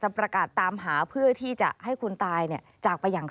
ประกาศตามหาเพื่อที่จะให้คนตายจากไปอย่าง